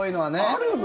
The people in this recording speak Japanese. あるの？